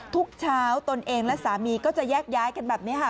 ทุกเช้าตนเองและสามีก็จะแยกย้ายกันแบบนี้ค่ะ